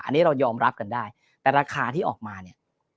อันนี้เรายอมรับกันได้แต่ราคาที่ออกมาเนี่ย